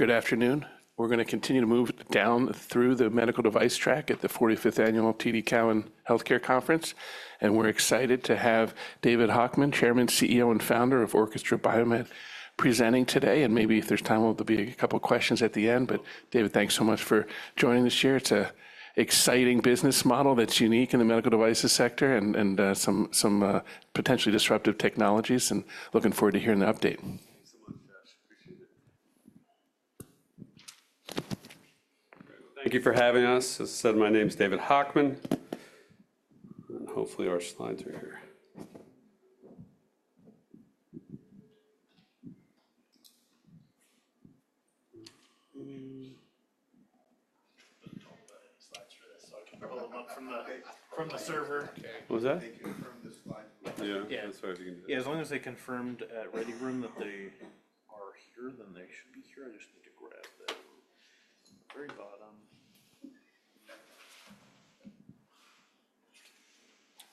Good afternoon. We're going to continue to move down through the medical device track at the 45th Annual TD Cowen Healthcare Conference, and we're excited to have David Hochman, Chairman, CEO, and Founder of Orchestra BioMed presenting today. Maybe if there's time, there'll be a couple of questions at the end. David, thanks so much for joining us here. It's an exciting business model that's unique in the medical devices sector and some potentially disruptive technologies, and looking forward to hearing the update. Thanks so much, Josh. Appreciate it. Thank you for having us. As I said, my name is David Hochman, and hopefully our slides are here. I'm going to talk about any slides for this, so I can pull them up from the server. What was that? They confirmed the slide. Yeah. Yeah. I'm sorry if you can do that. Yeah, as long as they confirmed at ready room that they are here, then they should be here. I just need to grab that very bottom.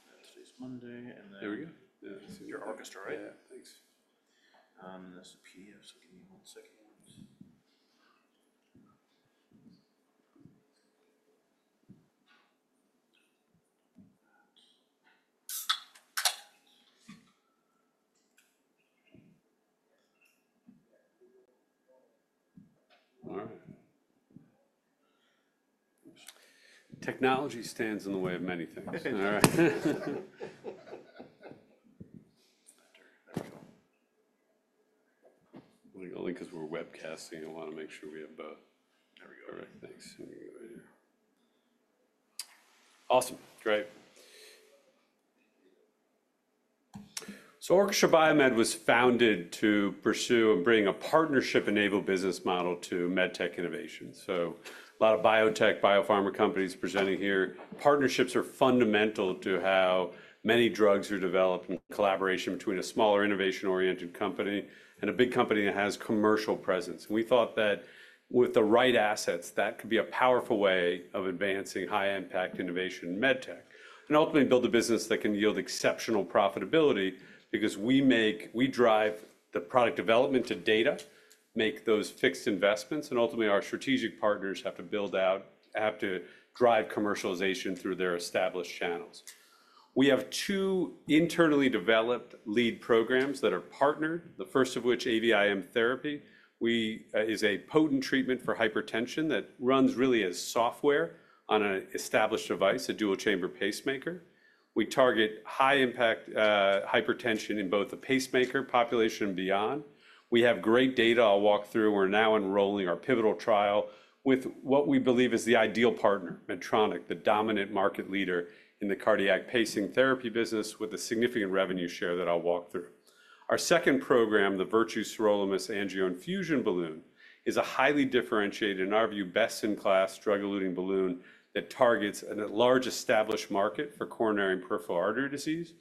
That's today's Monday, and then. There we go. Your Orchestra, right? Yeah. Thanks. This is a PDF, so give me one second. All right. Technology stands in the way of many things. All right. Only because we're webcasting, I want to make sure we have both. There we go. All right. Thanks. Awesome. Great. Orchestra BioMed was founded to pursue and bring a partnership-enabled business model to med tech innovation. A lot of biotech, biopharma companies are presenting here. Partnerships are fundamental to how many drugs are developed in collaboration between a smaller innovation-oriented company and a big company that has a commercial presence. We thought that with the right assets, that could be a powerful way of advancing high-impact innovation in med tech and ultimately build a business that can yield exceptional profitability because we drive the product development to data, make those fixed investments, and ultimately our strategic partners have to drive commercialization through their established channels. We have two internally developed lead programs that are partnered, the first of which is AVIM Therapy, which is a potent treatment for hypertension that runs really as software on an established device, a dual-chamber pacemaker. We target high-impact hypertension in both the pacemaker population and beyond. We have great data I'll walk through. We're now enrolling our pivotal trial with what we believe is the ideal partner, Medtronic, the dominant market leader in the cardiac pacing therapy business with a significant revenue share that I'll walk through. Our second program, the Virtue Sirolimus AngioInfusion Balloon, is a highly differentiated, in our view, best-in-class drug-eluting balloon that targets a large established market for coronary and peripheral artery disease.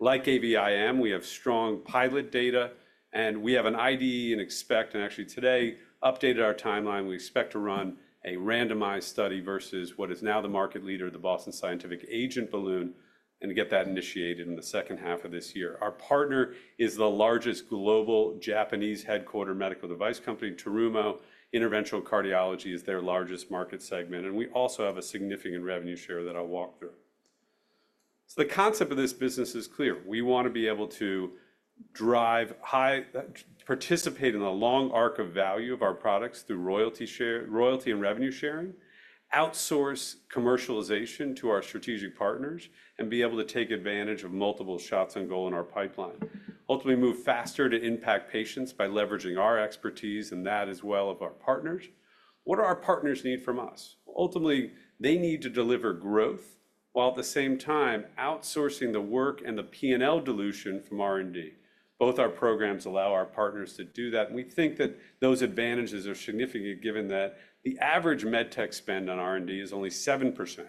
Like AVIM, we have strong pilot data, and we have an IDE and expect, and actually today updated our timeline. We expect to run a randomized study versus what is now the market leader, the Boston Scientific Agent Balloon, and get that initiated in the second half of this year. Our partner is the largest global Japanese-headquartered medical device company, Terumo. Interventional cardiology is their largest market segment, and we also have a significant revenue share that I'll walk through. The concept of this business is clear. We want to be able to participate in the long arc of value of our products through royalty and revenue sharing, outsource commercialization to our strategic partners, and be able to take advantage of multiple shots on goal in our pipeline. Ultimately, move faster to impact patients by leveraging our expertise and that as well of our partners. What do our partners need from us? Ultimately, they need to deliver growth while at the same time outsourcing the work and the P&L dilution from R&D. Both our programs allow our partners to do that, and we think that those advantages are significant given that the average med tech spend on R&D is only 7%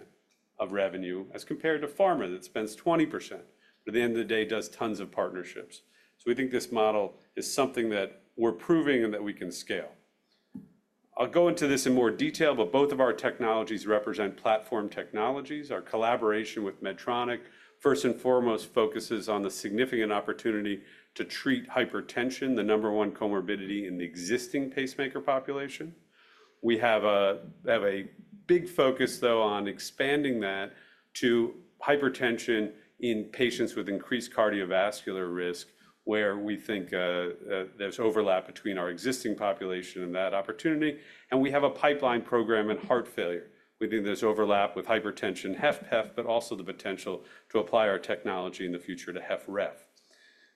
of revenue as compared to pharma that spends 20%. At the end of the day, it does tons of partnerships. We think this model is something that we're proving and that we can scale. I'll go into this in more detail, but both of our technologies represent platform technologies. Our collaboration with Medtronic, first and foremost, focuses on the significant opportunity to treat hypertension, the number one comorbidity in the existing pacemaker population. We have a big focus, though, on expanding that to hypertension in patients with increased cardiovascular risk, where we think there's overlap between our existing population and that opportunity. We have a pipeline program in heart failure. We think there's overlap with hypertension HFpEF, but also the potential to apply our technology in the future to HFrEF.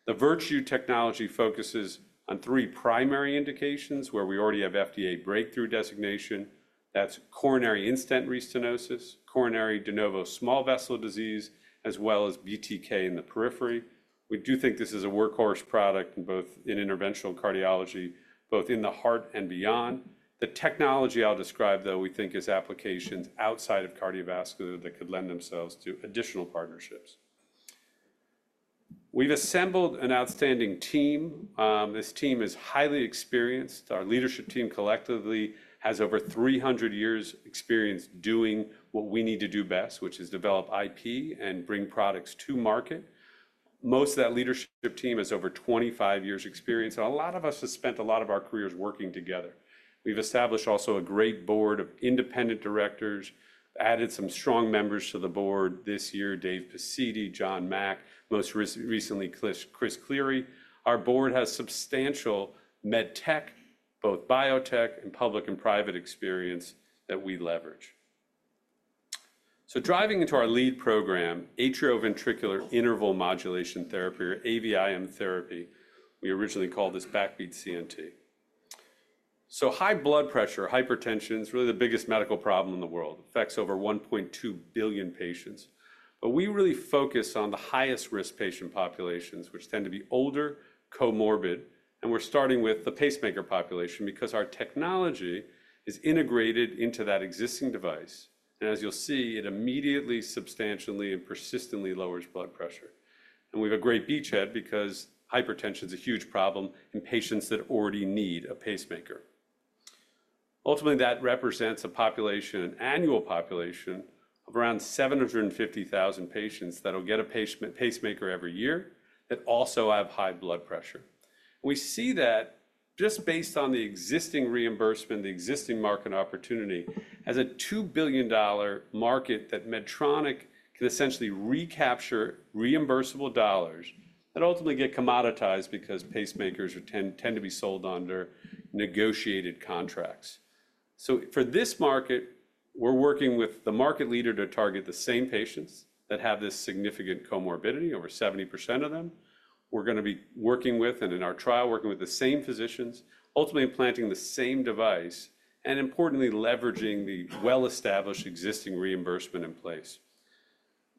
The Virtue technology focuses on three primary indications where we already have FDA breakthrough designation. That's coronary in-stent restenosis, coronary de novo small vessel disease, as well as BTK in the periphery. We do think this is a workhorse product in both interventional cardiology, both in the heart and beyond. The technology I'll describe, though, we think has applications outside of cardiovascular that could lend themselves to additional partnerships. We've assembled an outstanding team. This team is highly experienced. Our leadership team collectively has over 300 years' experience doing what we need to do best, which is develop IP and bring products to market. Most of that leadership team has over 25 years' experience, and a lot of us have spent a lot of our careers working together. We've established also a great board of independent directors. Added some strong members to the board this year: Dave Pacitti, John Mack, most recently Chris Cleary. Our board has substantial med tech, both biotech and public and private experience that we leverage. Driving into our lead program, atrioventricular interval modulation therapy, or AVIM therapy. We originally called this BackBeat CNT. High blood pressure, hypertension is really the biggest medical problem in the world. It affects over 1.2 billion patients. We really focus on the highest-risk patient populations, which tend to be older, comorbid, and we're starting with the pacemaker population because our technology is integrated into that existing device. As you'll see, it immediately, substantially, and persistently lowers blood pressure. We have a great beachhead because hypertension is a huge problem in patients that already need a pacemaker. Ultimately, that represents an annual population of around 750,000 patients that will get a pacemaker every year that also have high blood pressure. We see that just based on the existing reimbursement, the existing market opportunity, as a $2 billion market that Medtronic can essentially recapture reimbursable dollars that ultimately get commoditized because pacemakers tend to be sold under negotiated contracts. For this market, we're working with the market leader to target the same patients that have this significant comorbidity, over 70% of them. We're going to be working with, and in our trial, working with the same physicians, ultimately implanting the same device and, importantly, leveraging the well-established existing reimbursement in place.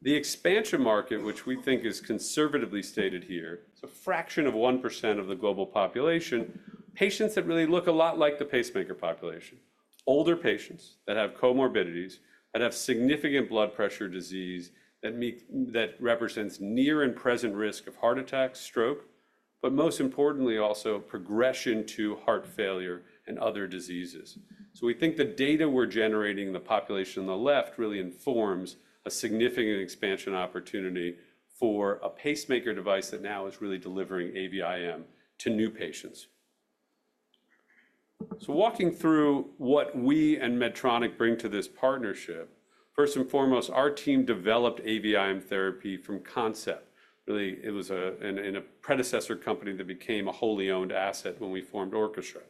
The expansion market, which we think is conservatively stated here, it's a fraction of 1% of the global population, patients that really look a lot like the pacemaker population, older patients that have comorbidities, that have significant blood pressure disease that represents near and present risk of heart attack, stroke, but most importantly, also progression to heart failure and other diseases. We think the data we're generating in the population on the left really informs a significant expansion opportunity for a pacemaker device that now is really delivering AVIM to new patients. Walking through what we and Medtronic bring to this partnership, first and foremost, our team developed AVIM therapy from concept. Really, it was in a predecessor company that became a wholly owned asset when we formed Orchestra.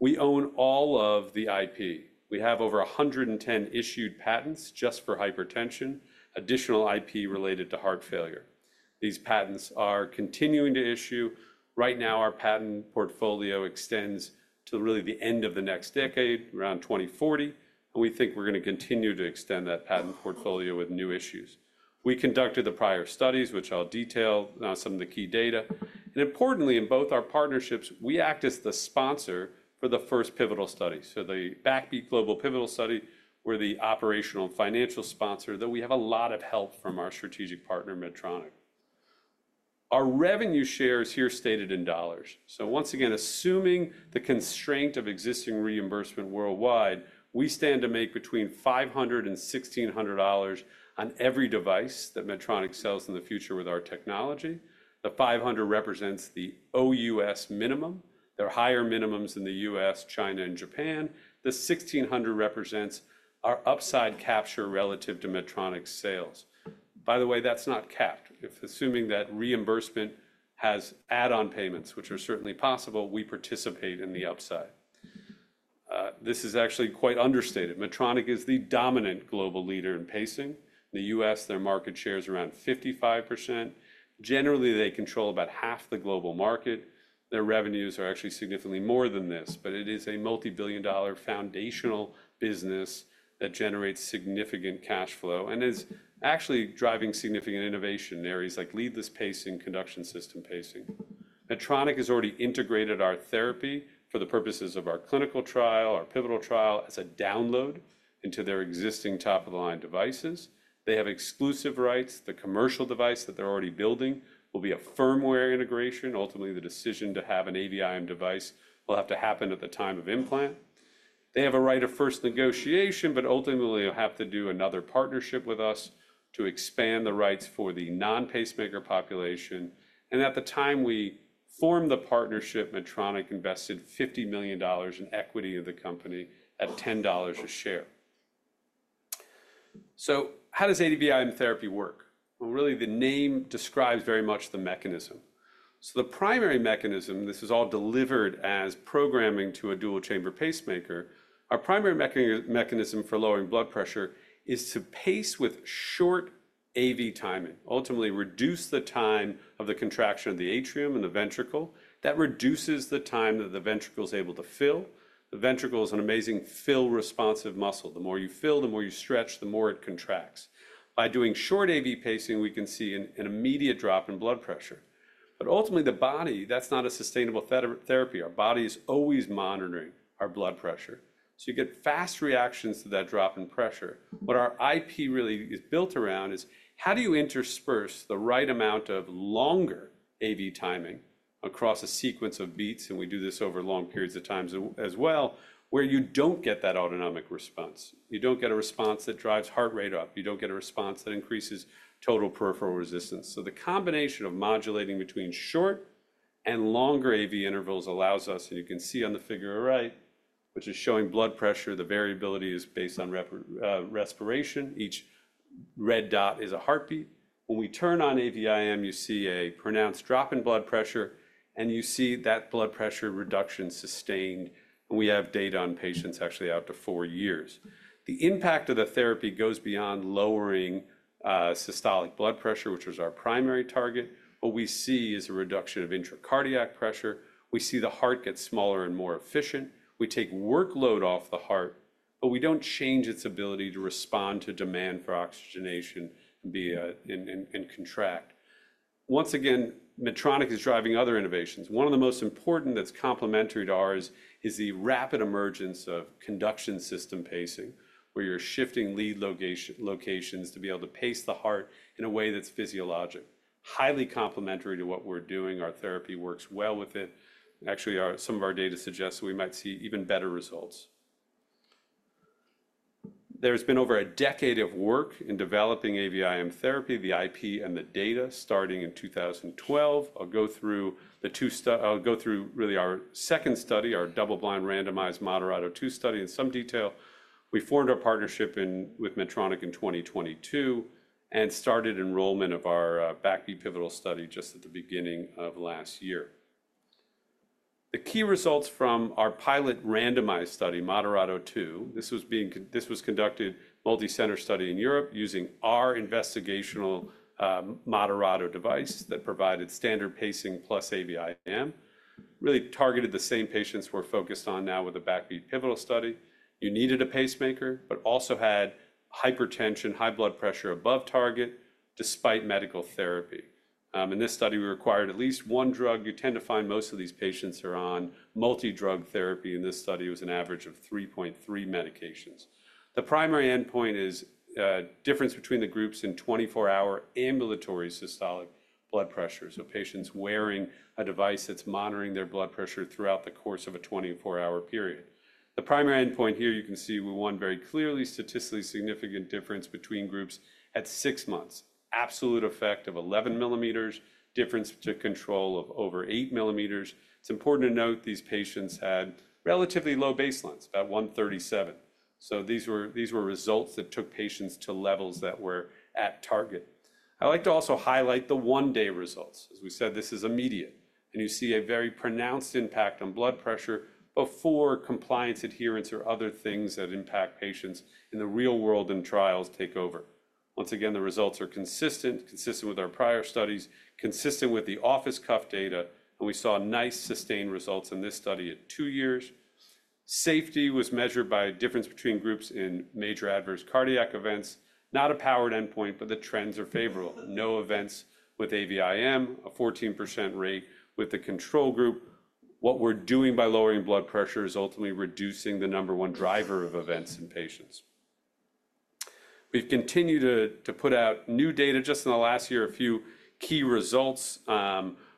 We own all of the IP. We have over 110 issued patents just for hypertension, additional IP related to heart failure. These patents are continuing to issue. Right now, our patent portfolio extends to really the end of the next decade, around 2040, and we think we're going to continue to extend that patent portfolio with new issues. We conducted the prior studies, which I'll detail now, some of the key data. Importantly, in both our partnerships, we act as the sponsor for the first pivotal study. The BackBeat Global Pivotal Study, we're the operational and financial sponsor, though we have a lot of help from our strategic partner, Medtronic. Our revenue share is here stated in dollars. Once again, assuming the constraint of existing reimbursement worldwide, we stand to make between $500 and $1,600 on every device that Medtronic sells in the future with our technology. The $500 represents the OUS minimum. There are higher minimums in the US, China, and Japan. The $1,600 represents our upside capture relative to Medtronic's sales. By the way, that's not capped. Assuming that reimbursement has add-on payments, which are certainly possible, we participate in the upside. This is actually quite understated. Medtronic is the dominant global leader in pacing. In the US, their market share is around 55%. Generally, they control about half the global market. Their revenues are actually significantly more than this, but it is a multi-billion dollar foundational business that generates significant cash flow and is actually driving significant innovation in areas like leadless pacing, conduction system pacing. Medtronic has already integrated our therapy for the purposes of our clinical trial, our pivotal trial, as a download into their existing top-of-the-line devices. They have exclusive rights. The commercial device that they're already building will be a firmware integration. Ultimately, the decision to have an AVIM device will have to happen at the time of implant. They have a right of first negotiation, but ultimately will have to do another partnership with us to expand the rights for the non-pacemaker population. At the time we formed the partnership, Medtronic invested $50 million in equity of the company at $10 a share. How does AVIM therapy work? The name describes very much the mechanism. The primary mechanism, this is all delivered as programming to a dual-chamber pacemaker. Our primary mechanism for lowering blood pressure is to pace with short AV timing, ultimately reduce the time of the contraction of the atrium and the ventricle. That reduces the time that the ventricle is able to fill. The ventricle is an amazing fill-responsive muscle. The more you fill, the more you stretch, the more it contracts. By doing short AV pacing, we can see an immediate drop in blood pressure. Ultimately, the body, that's not a sustainable therapy. Our body is always monitoring our blood pressure. You get fast reactions to that drop in pressure. What our IP really is built around is how do you intersperse the right amount of longer AV timing across a sequence of beats, and we do this over long periods of time as well, where you don't get that autonomic response. You don't get a response that drives heart rate up. You don't get a response that increases total peripheral resistance. The combination of modulating between short and longer AV intervals allows us, and you can see on the figure right, which is showing blood pressure, the variability is based on respiration. Each red dot is a heartbeat. When we turn on AVIM, you see a pronounced drop in blood pressure, and you see that blood pressure reduction sustained. We have data on patients actually out to four years. The impact of the therapy goes beyond lowering systolic blood pressure, which was our primary target. What we see is a reduction of intracardiac pressure. We see the heart get smaller and more efficient. We take workload off the heart, but we do not change its ability to respond to demand for oxygenation and contract. Once again, Medtronic is driving other innovations. One of the most important that is complementary to ours is the rapid emergence of conduction system pacing, where you are shifting lead locations to be able to pace the heart in a way that is physiologic. Highly complementary to what we are doing, our therapy works well with it. Actually, some of our data suggests that we might see even better results. There has been over a decade of work in developing AVIM therapy, the IP, and the data starting in 2012. I'll go through really our second study, our double-blind randomized Moderato II study, in some detail. We formed our partnership with Medtronic in 2022 and started enrollment of our BackBeat Pivotal study just at the beginning of last year. The key results from our pilot randomized study, Moderato II, this was conducted as a multi-center study in Europe using our investigational Moderato Device that provided standard pacing plus AVIM. Really targeted the same patients we're focused on now with the BackBeat Pivotal study. You needed a pacemaker, but also had hypertension, high blood pressure above target despite medical therapy. In this study, we required at least one drug. You tend to find most of these patients are on multi-drug therapy. In this study, it was an average of 3.3 medications. The primary endpoint is difference between the groups in 24-hour ambulatory systolic blood pressure. Patients are wearing a device that's monitoring their blood pressure throughout the course of a 24-hour period. The primary endpoint here, you can see we won very clearly, statistically significant difference between groups at six months, absolute effect of 11 millimeters, difference to control of over 8 millimeters. It's important to note these patients had relatively low baselines, about 137. These were results that took patients to levels that were at target. I'd like to also highlight the one-day results. As we said, this is immediate. You see a very pronounced impact on blood pressure before compliance, adherence, or other things that impact patients in the real world and trials take over. Once again, the results are consistent, consistent with our prior studies, consistent with the office cuff data. We saw nice sustained results in this study at two years. Safety was measured by a difference between groups in major adverse cardiac events. Not a powered endpoint, but the trends are favorable. No events with AVIM, a 14% rate with the control group. What we are doing by lowering blood pressure is ultimately reducing the number one driver of events in patients. We have continued to put out new data just in the last year, a few key results.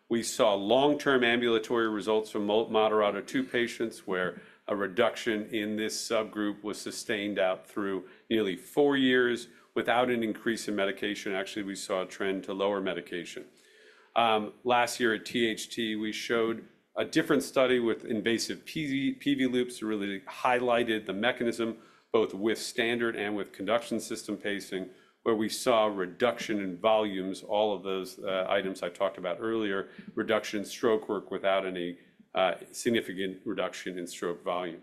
We saw long-term ambulatory results from Moderato II patients where a reduction in this subgroup was sustained out through nearly four years without an increase in medication. Actually, we saw a trend to lower medication. Last year at THT, we showed a different study with invasive PV loops that really highlighted the mechanism, both with standard and with conduction system pacing, where we saw reduction in volumes, all of those items I talked about earlier, reduction in stroke work without any significant reduction in stroke volume.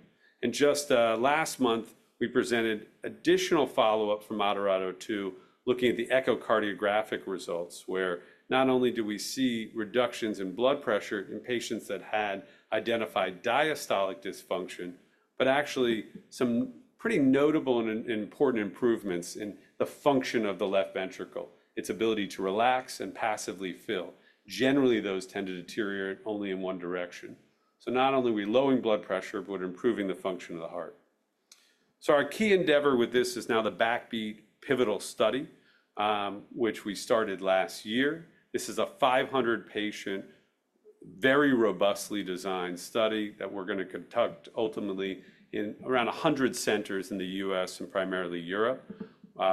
Just last month, we presented additional follow-up for Moderato II, looking at the echocardiographic results, where not only do we see reductions in blood pressure in patients that had identified diastolic dysfunction, but actually some pretty notable and important improvements in the function of the left ventricle, its ability to relax and passively fill. Generally, those tend to deteriorate only in one direction. Not only are we lowering blood pressure, but we're improving the function of the heart. Our key endeavor with this is now the BackBeat Pivotal study, which we started last year. This is a 500-patient, very robustly designed study that we're going to conduct ultimately in around 100 centers in the US and primarily Europe.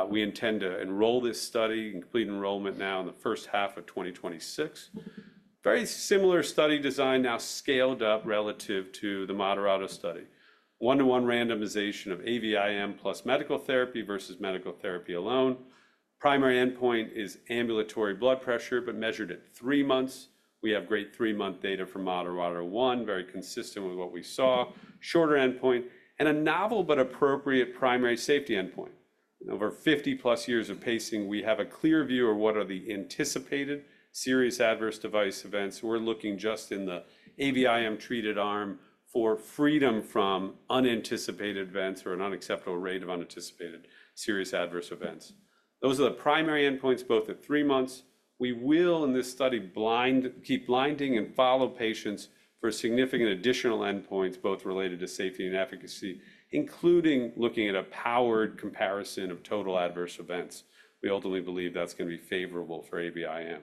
We intend to enroll this study and complete enrollment now in the first half of 2026. Very similar study design now scaled up relative to the Moderato study. One-to-one randomization of AVIM plus medical therapy versus medical therapy alone. Primary endpoint is ambulatory blood pressure, but measured at three months. We have great three-month data for Moderato I, very consistent with what we saw. Shorter endpoint and a novel but appropriate primary safety endpoint. Over 50-plus years of pacing, we have a clear view of what are the anticipated serious adverse device events. We're looking just in the AVIM treated arm for freedom from unanticipated events or an unacceptable rate of unanticipated serious adverse events. Those are the primary endpoints, both at three months. We will in this study keep blinding and follow patients for significant additional endpoints, both related to safety and efficacy, including looking at a powered comparison of total adverse events. We ultimately believe that's going to be favorable for AVIM.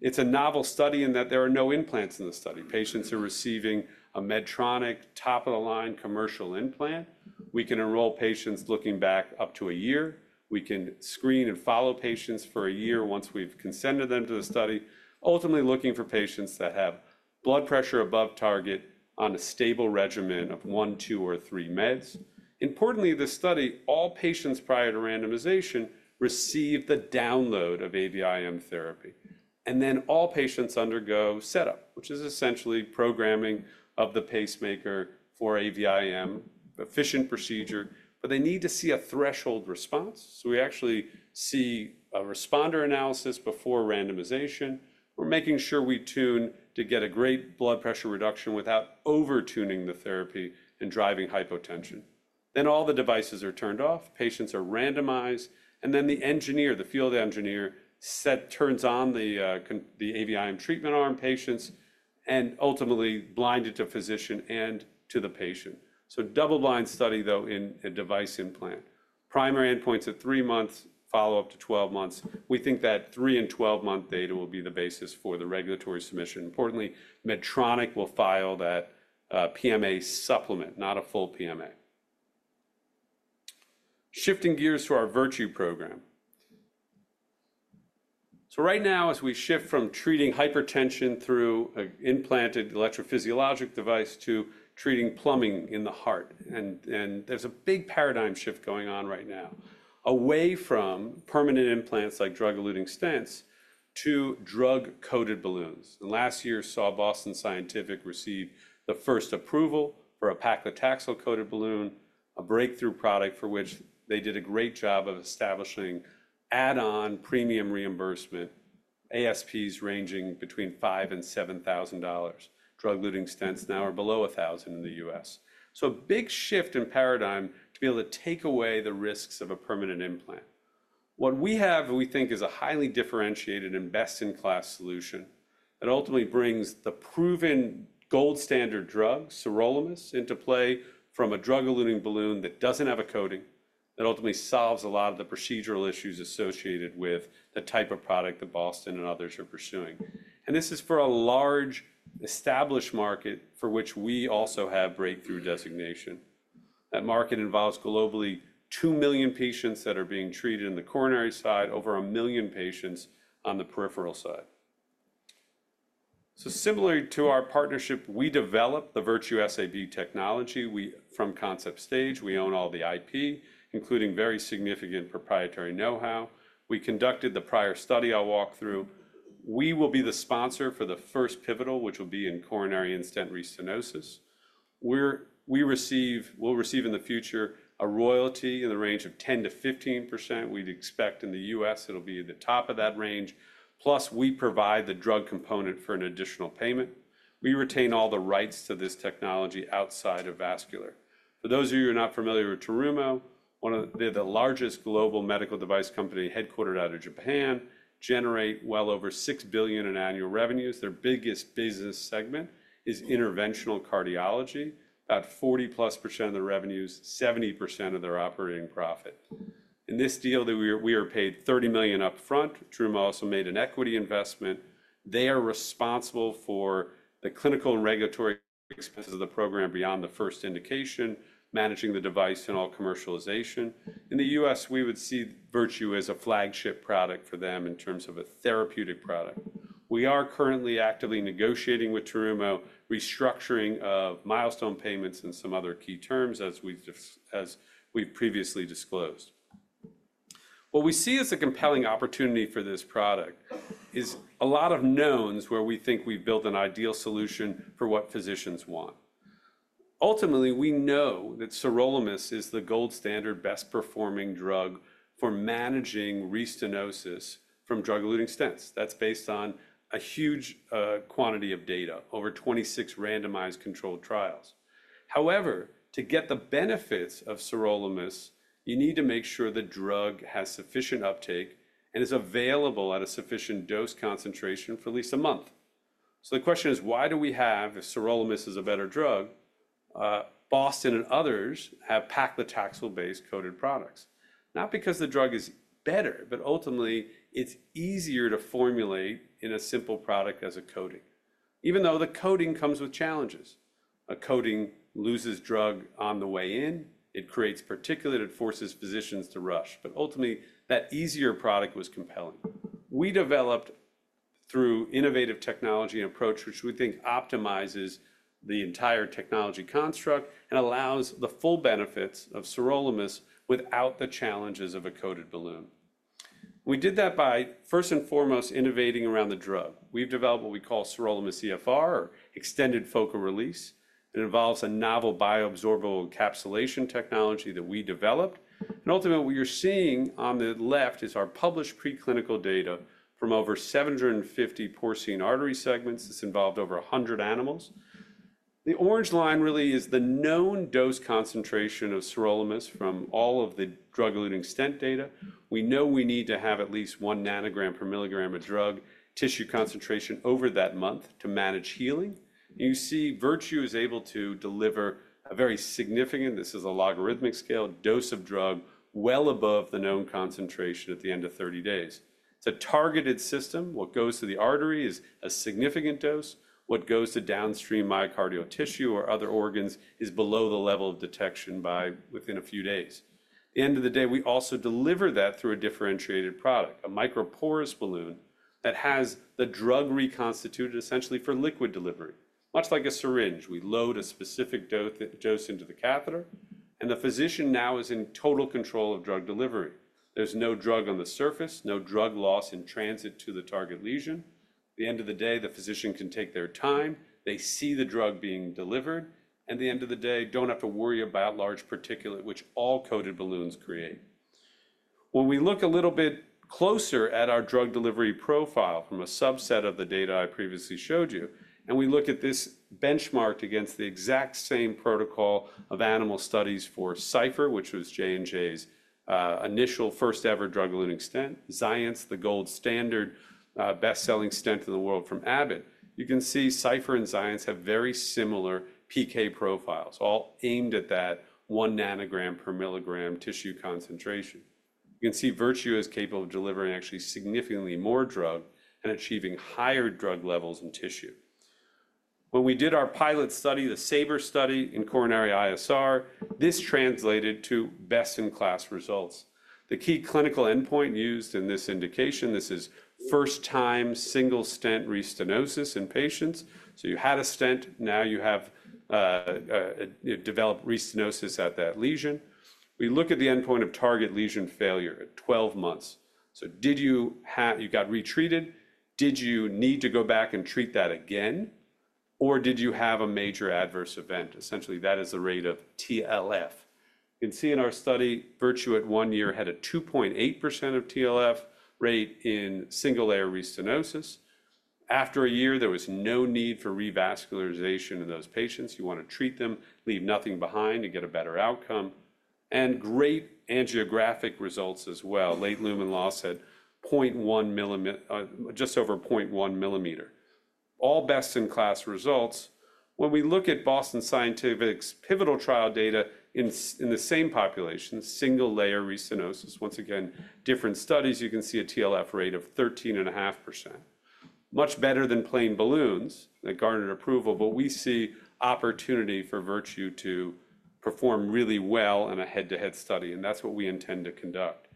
It's a novel study in that there are no implants in the study. Patients are receiving a Medtronic top-of-the-line commercial implant. We can enroll patients looking back up to a year. We can screen and follow patients for a year once we've consented them to the study, ultimately looking for patients that have blood pressure above target on a stable regimen of one, two, or three meds. Importantly, this study, all patients prior to randomization receive the download of AVIM therapy. And then all patients undergo setup, which is essentially programming of the pacemaker for AVIM, efficient procedure, but they need to see a threshold response. We actually see a responder analysis before randomization. We're making sure we tune to get a great blood pressure reduction without over-tuning the therapy and driving hypotension. Then all the devices are turned off. Patients are randomized. The engineer, the field engineer, turns on the AVIM treatment arm patients and ultimately blinded to physician and to the patient. Double-blind study, though, in a device implant. Primary endpoints at three months, follow-up to 12 months. We think that three and 12-month data will be the basis for the regulatory submission. Importantly, Medtronic will file that PMA supplement, not a full PMA. Shifting gears to our Virtue program. Right now, as we shift from treating hypertension through an implanted electrophysiologic device to treating plumbing in the heart, there's a big paradigm shift going on right now, away from permanent implants like drug-eluting stents to drug-coated balloons. Last year saw Boston Scientific receive the first approval for a paclitaxel-coated balloon, a breakthrough product for which they did a great job of establishing add-on premium reimbursement, ASPs ranging between $5,000-$7,000. Drug-eluting stents now are below $1,000 in the US. A big shift in paradigm to be able to take away the risks of a permanent implant. What we have, we think, is a highly differentiated and best-in-class solution that ultimately brings the proven gold standard drug, sirolimus, into play from a drug-eluting balloon that does not have a coating that ultimately solves a lot of the procedural issues associated with the type of product that Boston and others are pursuing. This is for a large established market for which we also have breakthrough designation. That market involves globally 2 million patients that are being treated in the coronary side, over 1 million patients on the peripheral side. Similar to our partnership, we develop the Virtue Sirolimus AngioInfusion Balloon technology from concept stage. We own all the IP, including very significant proprietary know-how. We conducted the prior study I'll walk through. We will be the sponsor for the first pivotal, which will be in coronary in-stent restenosis. We'll receive in the future a royalty in the range of 10-15%. We'd expect in the US it'll be the top of that range. Plus, we provide the drug component for an additional payment. We retain all the rights to this technology outside of vascular. For those of you who are not familiar with Terumo, they're the largest global medical device company headquartered out of Japan, generate well over $6 billion in annual revenues. Their biggest business segment is interventional cardiology, about 40% of the revenues, 70% of their operating profit. In this deal, we are paid $30 million upfront. Terumo also made an equity investment. They are responsible for the clinical and regulatory expenses of the program beyond the first indication, managing the device and all commercialization. In the U.S., we would see Virtue as a flagship product for them in terms of a therapeutic product. We are currently actively negotiating with Terumo, restructuring of milestone payments and some other key terms, as we've previously disclosed. What we see as a compelling opportunity for this product is a lot of knowns where we think we've built an ideal solution for what physicians want. Ultimately, we know that sirolimus is the gold standard best-performing drug for managing restenosis from drug-eluting stents. That's based on a huge quantity of data, over 26 randomized controlled trials. However, to get the benefits of sirolimus, you need to make sure the drug has sufficient uptake and is available at a sufficient dose concentration for at least a month. The question is, why do we have, if sirolimus is a better drug, Boston and others have paclitaxel-based coated products? Not because the drug is better, but ultimately, it's easier to formulate in a simple product as a coating, even though the coating comes with challenges. A coating loses drug on the way in. It creates particulate; it forces physicians to rush. Ultimately, that easier product was compelling. We developed through innovative technology and approach, which we think optimizes the entire technology construct and allows the full benefits of sirolimus without the challenges of a coated balloon. We did that by, first and foremost, innovating around the drug. We've developed what we call SirolimusEFR, or extended focal release. It involves a novel bioabsorbable encapsulation technology that we developed. Ultimately, what you're seeing on the left is our published preclinical data from over 750 porcine artery segments. It's involved over 100 animals. The orange line really is the known dose concentration of sirolimus from all of the drug-eluting stent data. We know we need to have at least 1 nanogram per milligram of drug tissue concentration over that month to manage healing. You see Virtue is able to deliver a very significant—this is a logarithmic scale—dose of drug well above the known concentration at the end of 30 days. It's a targeted system. What goes to the artery is a significant dose. What goes to downstream myocardial tissue or other organs is below the level of detection by within a few days. At the end of the day, we also deliver that through a differentiated product, a microporous balloon that has the drug reconstituted essentially for liquid delivery. Much like a syringe, we load a specific dose into the catheter, and the physician now is in total control of drug delivery. There is no drug on the surface, no drug loss in transit to the target lesion. At the end of the day, the physician can take their time. They see the drug being delivered. At the end of the day, they do not have to worry about large particulate, which all coated balloons create. When we look a little bit closer at our drug delivery profile from a subset of the data I previously showed you, and we look at this benchmarked against the exact same protocol of animal studies for Cypher, which was J&J's initial first-ever drug-eluting stent, Xience, the gold standard best-selling stent in the world from Abbott, you can see Cypher and Xience have very similar PK profiles, all aimed at that one nanogram per milligram tissue concentration. You can see Virtue is capable of delivering actually significantly more drug and achieving higher drug levels in tissue. When we did our pilot study, the SABER study in coronary ISR, this translated to best-in-class results. The key clinical endpoint used in this indication, this is first-time single-stent restenosis in patients. You had a stent. Now you have developed restenosis at that lesion. We look at the endpoint of target lesion failure at 12 months. Did you have—you got retreated? Did you need to go back and treat that again? Did you have a major adverse event? Essentially, that is the rate of TLF. You can see in our study, Virtue at one year had a 2.8% TLF rate in single-layer restenosis. After a year, there was no need for revascularization in those patients. You want to treat them, leave nothing behind, and get a better outcome. Great angiographic results as well. Late lumen loss at just over 0.1 millimeter. All best-in-class results. When we look at Boston Scientific's pivotal trial data in the same population, single-layer restenosis, once again, different studies, you can see a TLF rate of 13.5%. Much better than plain balloons that garnered approval, but we see opportunity for Virtue to perform really well in a head-to-head study, and that's what we intend to conduct.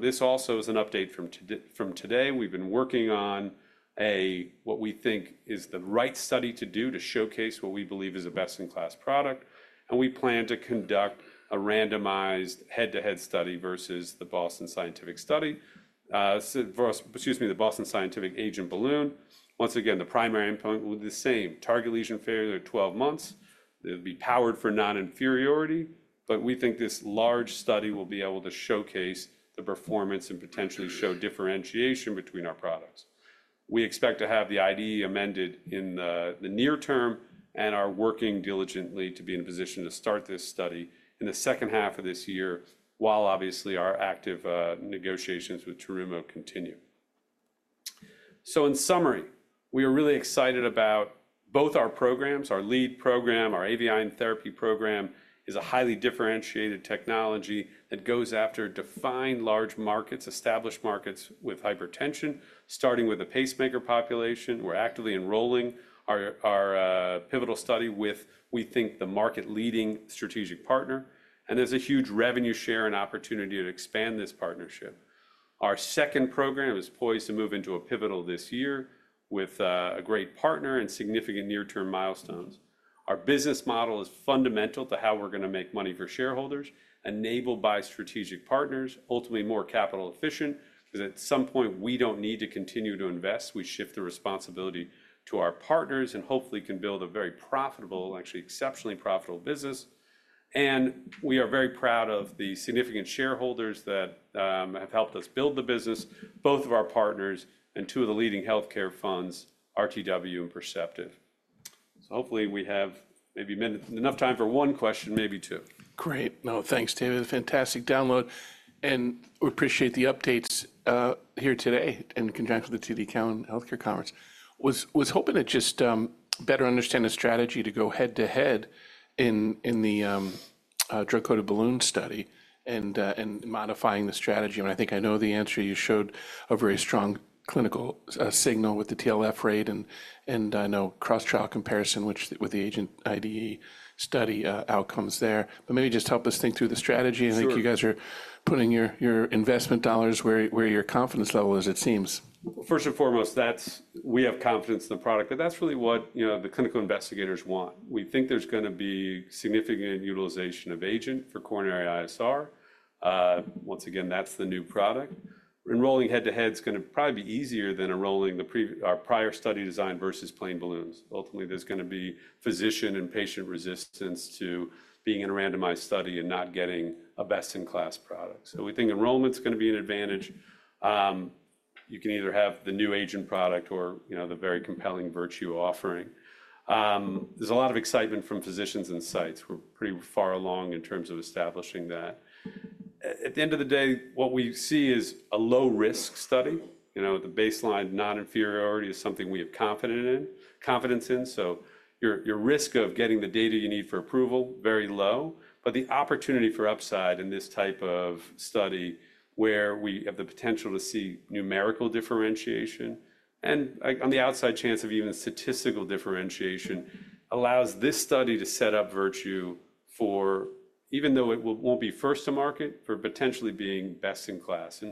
This also is an update from today. We've been working on what we think is the right study to do to showcase what we believe is a best-in-class product. We plan to conduct a randomized head-to-head study versus the Boston Scientific Agent Balloon. Once again, the primary endpoint with the same target lesion failure at 12 months. It'll be powered for non-inferiority, but we think this large study will be able to showcase the performance and potentially show differentiation between our products. We expect to have the IDE amended in the near term and are working diligently to be in a position to start this study in the second half of this year while, obviously, our active negotiations with Terumo continue. In summary, we are really excited about both our programs. Our lead program, our AVIM therapy program, is a highly differentiated technology that goes after defined large markets, established markets with hypertension, starting with the pacemaker population. We are actively enrolling our pivotal study with, we think, the market-leading strategic partner. There is a huge revenue share and opportunity to expand this partnership. Our second program is poised to move into a pivotal this year with a great partner and significant near-term milestones. Our business model is fundamental to how we're going to make money for shareholders, enabled by strategic partners, ultimately more capital-efficient because at some point, we don't need to continue to invest. We shift the responsibility to our partners and hopefully can build a very profitable, actually exceptionally profitable business. We are very proud of the significant shareholders that have helped us build the business, both of our partners and two of the leading healthcare funds, RTW and Perceptive. Hopefully, we have maybe enough time for one question, maybe two. Great. No, thanks, David. Fantastic download. We appreciate the updates here today in conjunction with the TD Cowen Healthcare Conference. Was hoping to just better understand the strategy to go head-to-head in the drug-coated balloon study and modifying the strategy. I think I know the answer. You showed a very strong clinical signal with the TLF rate and I know cross-trial comparison with the Agent IDE study outcomes there. Maybe just help us think through the strategy. I think you guys are putting your investment dollars where your confidence level is, it seems. First and foremost, we have confidence in the product, but that's really what the clinical investigators want. We think there's going to be significant utilization of Agent for coronary ISR. Once again, that's the new product. Enrolling head-to-head is going to probably be easier than enrolling our prior study design versus plain balloons. Ultimately, there's going to be physician and patient resistance to being in a randomized study and not getting a best-in-class product. We think enrollment's going to be an advantage. You can either have the new Agent product or the very compelling Virtue offering. There's a lot of excitement from physicians and sites. We're pretty far along in terms of establishing that. At the end of the day, what we see is a low-risk study. The baseline non-inferiority is something we have confidence in. Your risk of getting the data you need for approval is very low. The opportunity for upside in this type of study where we have the potential to see numerical differentiation and on the outside chance of even statistical differentiation allows this study to set up Virtue for, even though it won't be first to market, for potentially being best in class.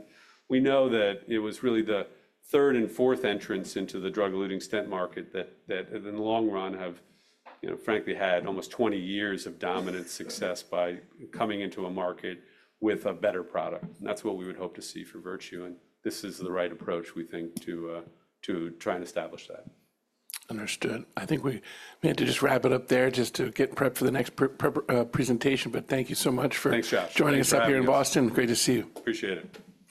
We know that it was really the third and fourth entrants into the drug-eluting stent market that, in the long run, have frankly had almost 20 years of dominant success by coming into a market with a better product. That is what we would hope to see for Virtue. This is the right approach, we think, to try and establish that. Understood. I think we may have to just wrap it up there just to get prepped for the next presentation. Thank you so much for joining us up here in Boston. Great to see you. Appreciate it.